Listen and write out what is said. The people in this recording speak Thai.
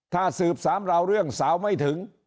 ถ้าสืบสามราวเรื่องสาวไม่ถึง